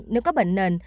nếu có bệnh nền